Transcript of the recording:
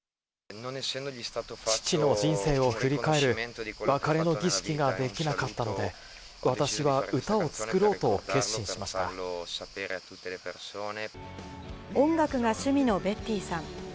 父の人生を振り返る別れの儀式ができなかったので、音楽が趣味のベッティさん。